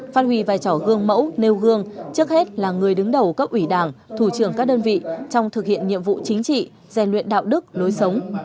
phát huy vai trò gương mẫu nêu gương trước hết là người đứng đầu cấp ủy đảng thủ trưởng các đơn vị trong thực hiện nhiệm vụ chính trị rèn luyện đạo đức lối sống